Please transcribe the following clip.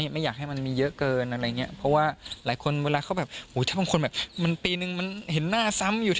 ไม่อยากให้มันมีเยอะเกินอะไรเงี้ย